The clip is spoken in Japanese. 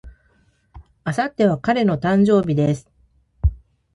明後日は彼の誕生日です。